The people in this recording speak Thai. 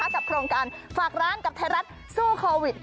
โครงการฝากร้านกับไทยรัฐสู้โควิด